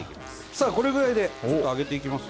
さあこれぐらいでちょっと揚げていきます